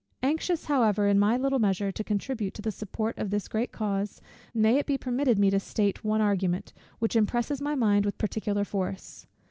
Anxious, however, in my little measure, to contribute to the support of this great cause, may it be permitted me to state one argument, which impresses my mind with particular force.